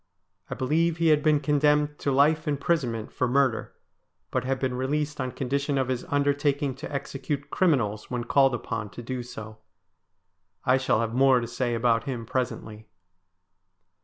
I believe he had been condemned to life imprisonment for murder, but had been released on condition of his undertaking to execute criminals when called upon to do so. I shall have more to say about him presently.